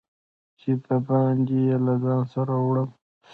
چې د باندي یې له ځان سره وړم